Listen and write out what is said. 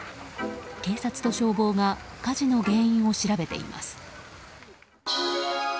警察と消防が火事の原因を調べています。